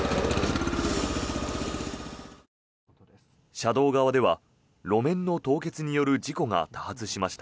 車道側では、路面の凍結による事故が多発しました。